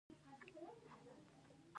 معاینات څومره وخت نیسي؟